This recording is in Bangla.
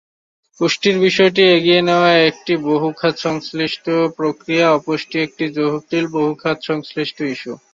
পুষ্টির বিষয়টি এগিয়ে নেওয়া একটিবহু খাত-সংশ্লিষ্ট প্রক্রিয়াঅপুষ্টি একটি জটিল, বহু খাত-সংশ্লিষ্ট ইস্যু।